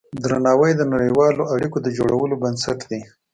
درناوی د نړیوالو اړیکو د جوړولو بنسټ دی.